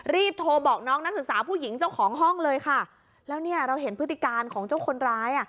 รีบโทรบอกน้องนักศึกษาผู้หญิงเจ้าของห้องเลยค่ะแล้วเนี่ยเราเห็นพฤติการของเจ้าคนร้ายอ่ะ